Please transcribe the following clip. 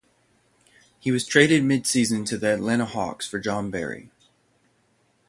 He was traded mid-season to the Atlanta Hawks for Jon Barry.